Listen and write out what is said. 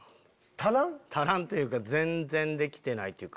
足らんっていうか全然できてないっていうか。